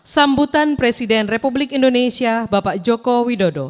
sambutan presiden republik indonesia bapak joko widodo